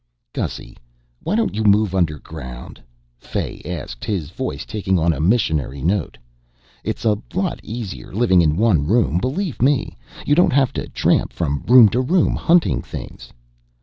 "Gussy, why don't you move underground?" Fay asked, his voice taking on a missionary note. "It's a lot easier living in one room, believe me. You don't have to tramp from room to room hunting things."